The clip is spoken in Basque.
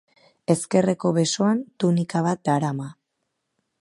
Ezkerreko besoan tunika bat darama.